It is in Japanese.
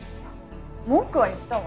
文句は言ったわ。